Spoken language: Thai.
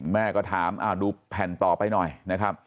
แม่ก็ถามดูแผ่นต่อไปหน่อยนะครับ